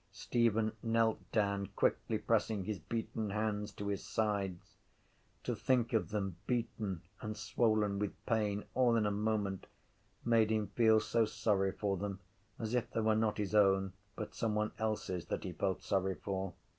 Stephen knelt down quickly pressing his beaten hands to his sides. To think of them beaten and swollen with pain all in a moment made him feel so sorry for them as if they were not his own but someone else’s that he felt sorry for.